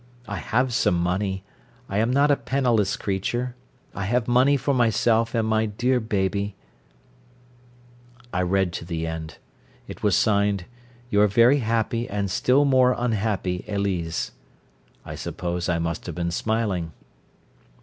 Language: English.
I have some money. I am not a penniless creature. I have money for myself and my dear baby " I read to the end. It was signed: "Your very happy and still more unhappy Elise." I suppose I must have been smiling.